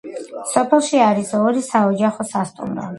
სოფელში არის ორი საოჯახო სასტუმრო.